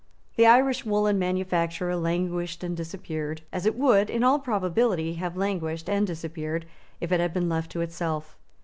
The Irish woollen manufacture languished and disappeared, as it would, in all probability, have languished and disappeared if it had been left to itself.